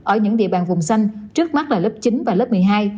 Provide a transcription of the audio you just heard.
ở những địa bàn vùng xanh trước mắt là lớp chín và lớp một mươi hai